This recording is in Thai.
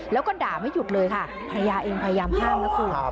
แล้วก็ด่าไม่หยุดเลยค่ะภรรยาเองพยายามห้ามนะคุณ